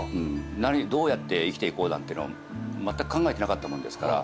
どうやって生きていこうなんてのまったく考えてなかったもんですから。